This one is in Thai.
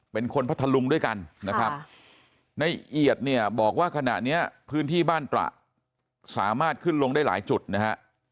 พัทธลุงด้วยกันนะครับในเอียดเนี่ยบอกว่าขณะนี้พื้นที่บ้านตระสามารถขึ้นลงได้หลายจุดนะฮะ